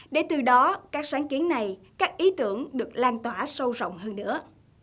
để từ đó các sáng kiến này các ý tưởng được lan tỏa sâu rộng hơn nữa